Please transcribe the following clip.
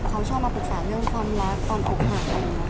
ถ้ามาปรึกษาเรื่องความรักตอนอกหัก